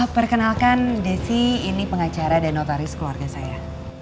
perkenalkan desi ini pengacara dan notaris keluarga saya